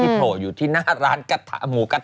ที่โผล่อยู่ที่หน้าร้านหมูกระทะ